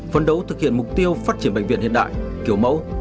phấn đấu thực hiện mục tiêu phát triển bệnh viện hiện đại kiểu mẫu